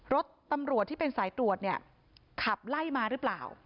รถตำรวจที่เป็นสายตรวจเนี่ยขับไล่มาหรือเปล่า